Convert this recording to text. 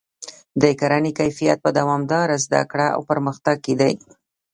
د کرنې کیفیت په دوامداره زده کړه او پرمختګ کې دی.